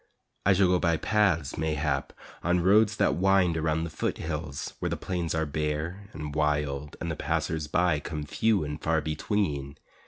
I shall go by paths, mayhap, On roads that wind around the foothills Where the plains are bare and wild And the passers by come few and far between.